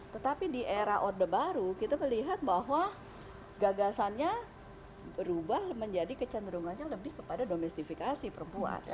tetapi di era orde baru kita melihat bahwa gagasannya berubah menjadi kecenderungannya lebih kepada domestifikasi perempuan